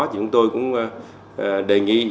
chúng tôi cũng đề nghị